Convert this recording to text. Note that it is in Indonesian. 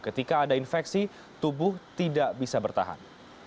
ketika ada infeksi tubuh tidak bisa bertahan